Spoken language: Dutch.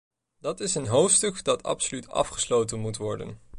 Dat is een hoofdstuk dat absoluut afgesloten moet worden.